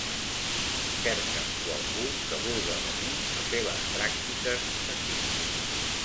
Cercam qualcú que vulga venir a fer les pràctiques aquí.